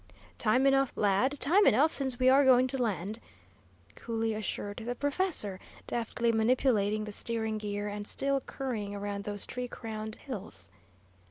"Time enough, lad, time enough, since we are going to land," coolly assured the professor, deftly manipulating the steering gear and still curying around those tree crowned hills.